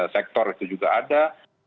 sektor itu juga ada